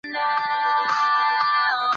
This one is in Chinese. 身高体重非常的接近